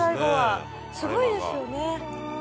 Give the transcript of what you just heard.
すごいですよね」